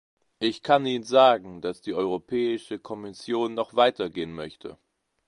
Ich kann Ihnen sagen, dass die Europäische Kommission noch weiter gehen möchte.